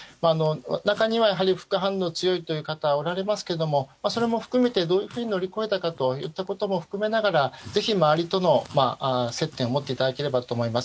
中には副反応、強いという方もおられますけどそれも含めて、どう乗り越えたかということも含めながらぜひ周りとの接点を持っていただければと思います。